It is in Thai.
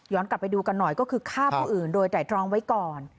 กลับไปดูกันหน่อยก็คือฆ่าผู้อื่นโดยไตรตรองไว้ก่อน